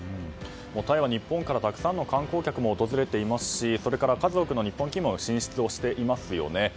タイは日本からたくさんの観光客も訪れていますしそれから数多くの日本企業も進出していますよね。